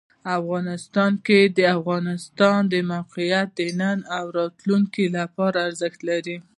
افغانستان کې د افغانستان د موقعیت د نن او راتلونکي لپاره ارزښت لري.